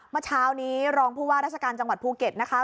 เมื่อเช้านี้รองผู้ว่าราชการจังหวัดภูเก็ตนะคะ